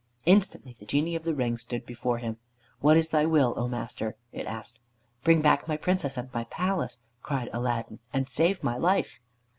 Instantly the Genie of the Ring stood before him. "What is thy will, O master?" it asked. "Bring back my Princess and my palace," cried Aladdin, "and save my life."